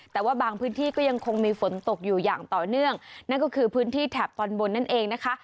แต่ว่าบางพื้นที่ก็ยังคงมีฝนตกอยู่อย่างต่อเนื่องนั่นก็คือพื้นที่แถบตอนบนนั่นเองนะคะ